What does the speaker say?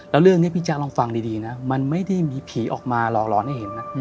แล้วเรื่องนี้พี่แจ๊คลองฟังดีนะมันไม่ได้มีผีออกมาหลอกร้อนให้เห็นนะ